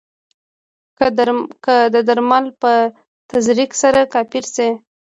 که د درمل په تزریق سره کافر شي.